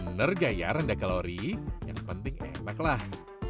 bener gaya rendah kalori yang penting enaklah